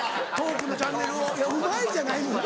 「うまい」じゃないのよ。